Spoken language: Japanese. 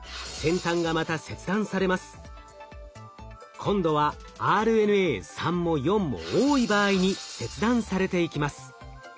今度はＲＮＡ３も４も多い場合に切断されていきます。